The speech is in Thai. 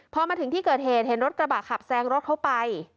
พอมาถึงที่เกิดเหตุเห็นรถกระบะขับแซงรถเข้าไป